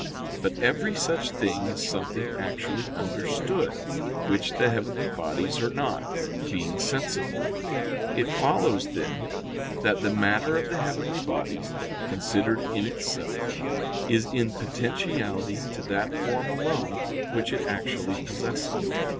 But every such thing is something actually understood, which the heavenly bodies are not, being sensible. It follows, then, that the matter of the heavenly bodies, considered in itself, is in potentiality to that form alone which it actually possesses.